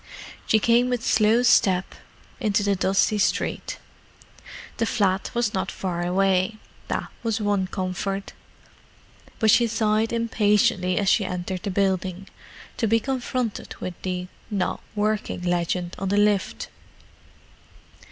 She came with slow step into the dusty street. The flat was not far away: that was one comfort. But she sighed impatiently as she entered the building, to be confronted with the "Not Working" legend on the lift.